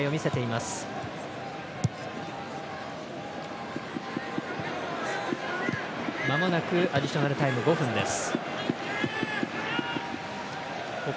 まもなくアディショナルタイム５分です。